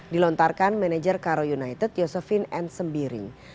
dilontarkan manager karo united josefin ensembiring